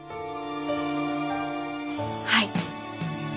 はい。